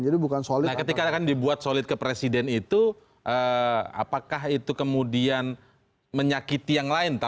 nah ketika akan dibuat solid ke presiden itu apakah itu kemudian menyakiti yang lain